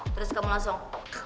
terus kamu langsung